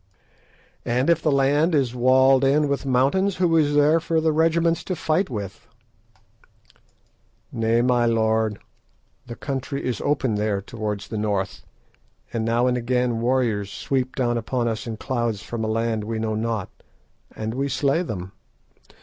"And if the land is walled in with mountains, who is there for the regiments to fight with?" "Nay, my lord, the country is open there towards the north, and now and again warriors sweep down upon us in clouds from a land we know not, and we slay them.